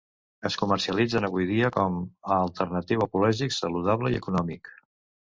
Es comercialitzen avui dia com a alternatiu ecològic, saludable i econòmic.